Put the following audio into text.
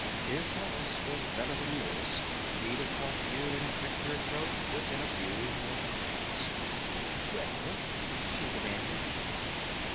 His horse was better than yours. He'd have caught you and cut your throat within a few more miles." "Well?" she demanded.